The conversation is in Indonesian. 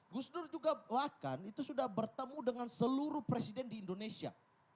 gus dur juga bahkan itu sudah bertemu dengan seluruh presiden di indonesia